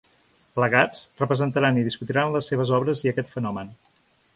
Plegats, representaran i discutiran les seves obres i aquest fenomen.